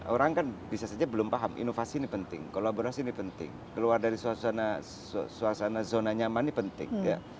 orang kan bisa saja belum paham inovasi ini penting kolaborasi ini penting keluar dari suasana zona nyaman ini penting ya